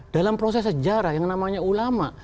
dalam proses sejarah yang namanya ulama